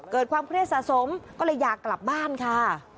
เกิดความเครียดสะสมก็เลยอยากกลับบ้านค่ะ